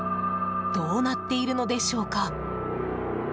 どうなっているのでしょうか？